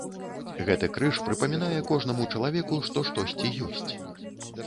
Гэты крыж прыпамінае кожнаму чалавеку, што штосьці ёсць.